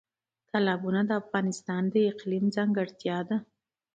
تالابونه د افغانستان د اقلیم ځانګړتیا ده.